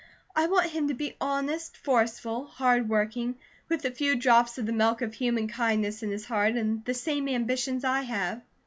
I want him to be honest, forceful, hard working, with a few drops of the milk of human kindness in his heart, and the same ambitions I have."